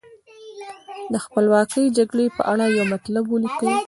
د خپلواکۍ د جګړې په اړه یو مطلب ولیکئ.